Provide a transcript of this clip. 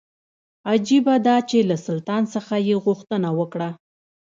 عجیبه دا چې له سلطان څخه یې غوښتنه وکړه.